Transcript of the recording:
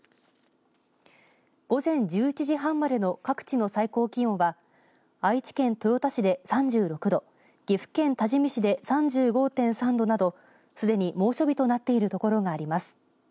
午前１１時半までの各地の最高気温は愛知県豊田市で３６度岐阜県多治見市で３５．３度などすでに猛暑日となっている所があります。